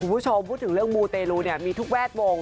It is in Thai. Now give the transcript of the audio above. คุณผู้ชมพูดถึงเรื่องมูเตลูเนี่ยมีทุกแวดวง